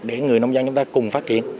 để người nông dân chúng ta cùng phát triển